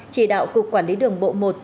chỉ đạo cục quản lý đường bộ một